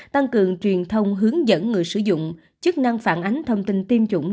tăng cường truyền thông hướng dẫn người sử dụng chức năng phản ánh thông tin tiêm chủng